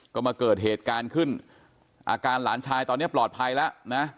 ก็มาเกิดเหตุการณ์ขึ้นอาการหลานชายตอนนี้ปลอดภัยแล้วนะ